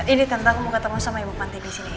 ini tante aku mau ketemu sama ibu pantai disini